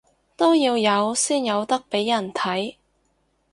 都要有先有得畀人睇